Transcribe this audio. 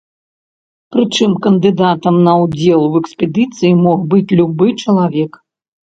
Прычым кандыдатам на ўдзел у экспедыцыі мог быць любы чалавек.